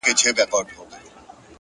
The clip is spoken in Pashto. هره تېروتنه د پوهې سرچینه کېدای شي!.